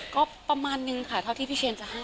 ก็ประมาณนึงค่ะเท่าที่พี่เชนจะให้